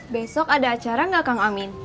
besok ada acara nggak kang amin